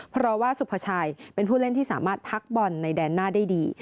เพราะว่าสุภาชัยเป็นผู้เล่นที่สามารถพักบอลในแดนหน้าได้ดี